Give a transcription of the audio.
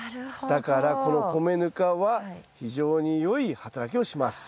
だからこの米ぬかは非常に良い働きをします。